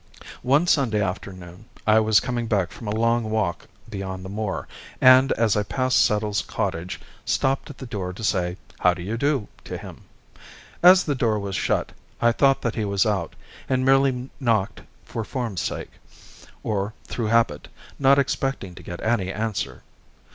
One Sunday afternoon, I was coming back from a long walk beyond the moor, and as I passed Settle's cottage stopped at the door to say "How do you do?" to him. As the door was shut, I thought that he was out, and merely knocked for form's sake, or through habit, not expecting to get any answer.